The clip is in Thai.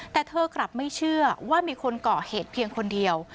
แต่เธอกลับไม่เชื่อว่ามีคนก่อเหตุเพียงคนเดียว